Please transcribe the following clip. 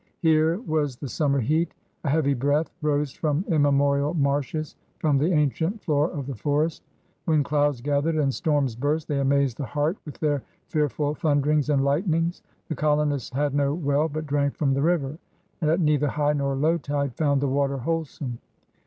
Here was the summer heat. A heavy breath rose from immemorial marshes, from the ancienl floor of the forest. When clouds gathered and storms burst, they amazed the heart with their f earful thunderings and Ughtmngs. The colonists had no well, but drank from the river, and at neither high nor low tide found the water whole some.